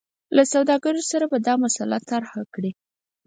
له سوداګرو سره به دا مسله طرحه کړي.